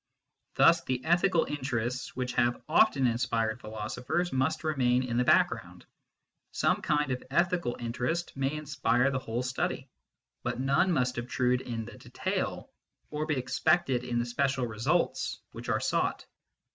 Thus the ethical interests which have often inspired philo sophers must remain in the background : some kind of ethical interest may inspire the whole study, but none must obtrude in the detail or be expected in the special results which are sought.